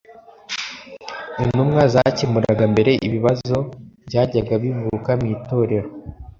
Intumwa zakemuraga mbere ibibazo byajyaga bivuka mu itorero